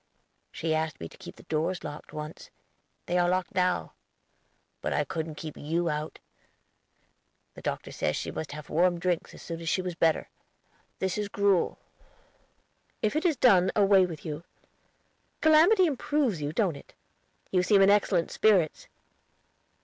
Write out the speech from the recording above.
She asked me to keep the doors locked once; they are locked now. But I couldn't keep you out. The doctor said she must have warm drinks as soon as she was better. This is gruel." "If it is done, away with you. Calamity improves you, don't it? You seem in excellent spirits."